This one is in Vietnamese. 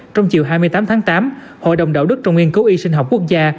trong chiều hai mươi tám tháng tám hội đồng đạo đức trong nguyên cấu y sinh học quốc gia